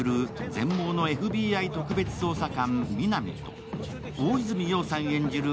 全盲のＦＢＩ特別捜査官・皆実と大泉洋さん演じる